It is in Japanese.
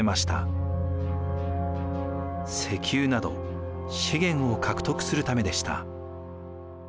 石油など資源を獲得するためでした。